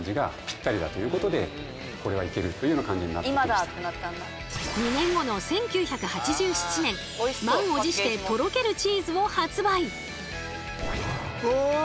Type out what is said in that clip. すると２年後の１９８７年満を持してとろけるチーズを発売。